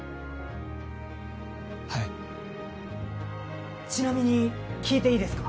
はいちなみに聞いていいですか？